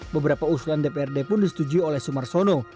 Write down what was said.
beberapa usulan dprd pun disetujui oleh sumarsono